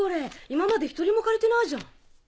今まで１人も借りてないじゃん。